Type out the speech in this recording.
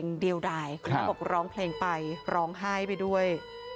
นี่ค่ะเพลงเดียวดายคุณแม่บอกร้องเพลงไปร้องไห้ไปด้วย